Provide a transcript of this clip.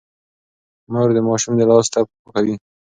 مور د ماشوم د لاس ټپ پاکوي.